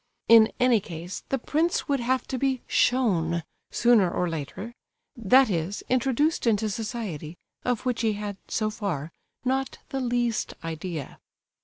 In any case, the prince would have to be "shown" sooner or later; that is, introduced into society, of which he had, so far, not the least idea.